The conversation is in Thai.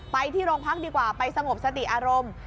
ไปที่โรงพักดีกว่าไปสงบสติอารมณ์